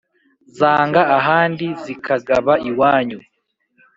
zanga ahandi zikagaba iwanyu.